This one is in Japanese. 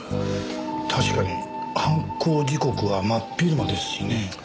確かに犯行時刻は真っ昼間ですしね。